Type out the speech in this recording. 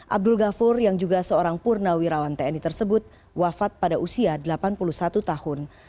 abdul ghafur yang juga seorang purnawirawan tni tersebut wafat pada usia delapan puluh satu tahun